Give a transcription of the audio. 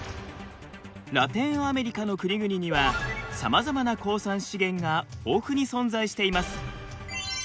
ラテンアメリカの国々にはさまざまな鉱産資源が豊富に存在しています。